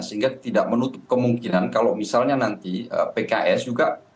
sehingga tidak menutup kemungkinan kalau misalnya nanti pks juga